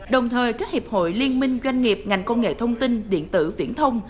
đồng thời các hiệp hội liên minh doanh nghiệp ngành công nghệ thông tin điện tử viễn thông